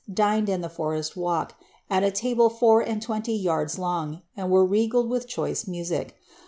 dined in the foresi walk, at a table four and twenty yards long, and were regaled iviih choice music.